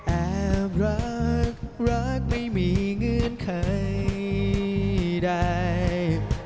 แอบรักรักไม่มีเงื่อนไขใด